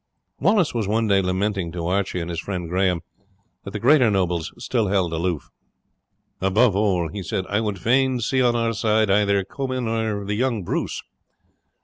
Wallace was one day lamenting to Archie and his friend Grahame that the greater nobles still held aloof. "Above all," he said, "I would fain see on our side either Comyn or the young Bruce.